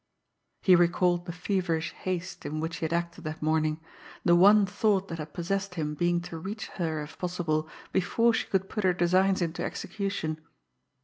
He recalled the feverish haste in which he had acted that morning the one thought that had possessed him being to reach her if possible before she could put her designs into execution.